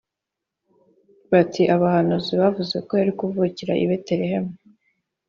bati abahanuzi bavuze ko yari kuvukira i betelehemu